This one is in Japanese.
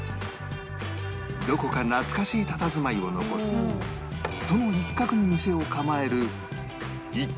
どこか懐かしいたたずまいを残すその一角に店を構える